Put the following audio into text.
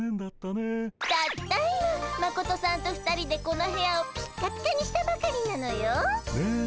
たった今マコトさんと２人でこの部屋をピッカピカにしたばかりなのよ。ね。